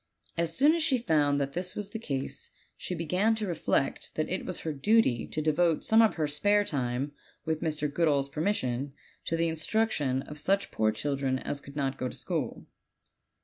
As soon as she found that this was the case she began to reflect that it was her duty to devote some of her spare time, with Mr. Goodall's permission, to the instruction of such poor children as could not go to school.